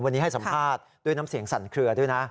วันนี้ให้สัมภาษณ์ด้วยน้ำเสียงสั่นเคลือด้วยนะ